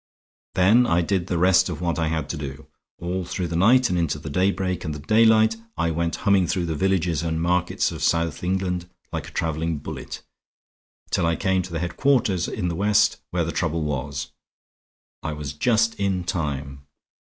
"Then I did the rest of what I had to do. All through the night and into the daybreak and the daylight I went humming through the villages and markets of South England like a traveling bullet, till I came to the headquarters in the West where the trouble was. I was just in time.